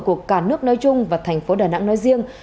của cả nước nói chung và thành phố đà nẵng nói riêng